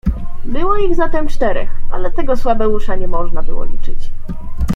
"Było ich zatem czterech, ale tego słabeusza nie można było liczyć."